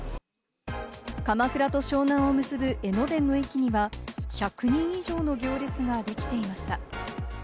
鎌倉と湘南を結ぶ江ノ電の駅には１００人以上の行列ができていました。